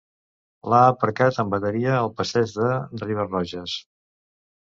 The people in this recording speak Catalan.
L'ha aparcat en bateria al passeig de Ribes Roges.